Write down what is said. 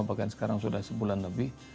bahkan sekarang sudah sebulan lebih